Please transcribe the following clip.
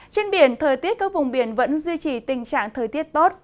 trên biển thời tiết các vùng biển vẫn duy trì tình trạng thời tiết tốt